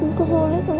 aku mau pulih ngerah